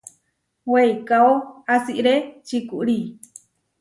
Weikáo asiré čikurí.